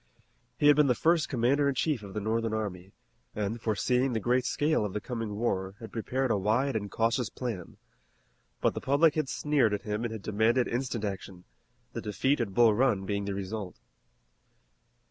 He had been the first commander in chief of the Northern army, and, foreseeing the great scale of the coming war, had prepared a wide and cautious plan. But the public had sneered at him and had demanded instant action, the defeat at Bull Run being the result.